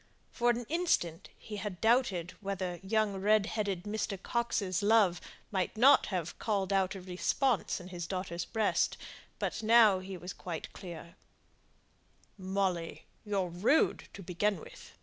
For an instant he had doubted whether young red headed Mr. Coxe's love might not have called out a response in his daughter's breast; but he was quite clear now. "Molly, you're rude to begin with.